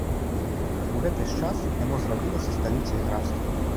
У гэты ж час яно зрабілася сталіцай графства.